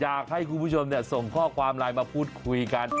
อยากให้คุณผู้ชมส่งข้อความไลน์มาพูดคุยกัน